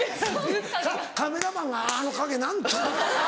・カメラマンが「あの影何とか」。